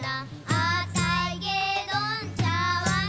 「あたいげどんちゃわんなんだ」